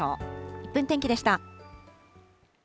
１分天気でした。